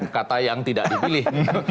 kata yang tidak dipilih